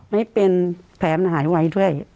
ไม่เป็นแผลมันหายไวด้วย